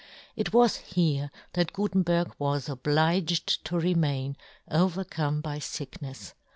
It was here that Gutenberg was obliged to remain, overcome by ficknefs.